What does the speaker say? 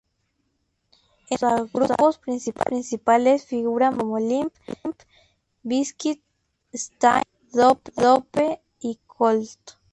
Entre sus grupos principales figuran bandas como Limp Bizkit, Staind, Dope, y Cold.